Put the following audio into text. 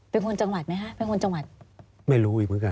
เป็นคนจังหวัดไหมคะ